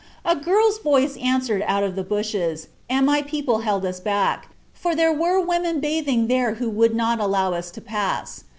"A girl's voice answered out of the bushes, and my people held us back, for there were women bathing there who would not allow us to pass.